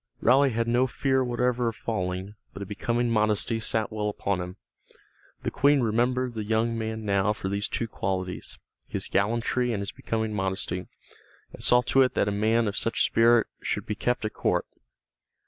Raleigh had no fear whatever of falling, but a becoming modesty sat well upon him. The Queen remembered the young man now for these two qualities, his gallantry and his becoming modesty, and saw to it that a man of such spirit should be kept at court.